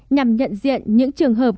nhằm nhận diện những trường hợp